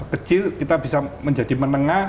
kecil kita bisa menjadi menengah